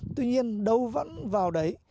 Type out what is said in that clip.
tuy nhiên đâu vẫn vào đấy